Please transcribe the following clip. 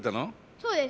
そうです。